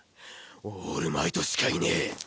オールマイトしかいねぇ！